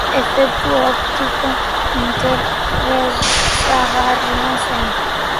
Efektu optiko interesagarria zen.